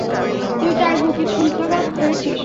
তুই তার বুকে ছুরিকাঘাত করেছিস।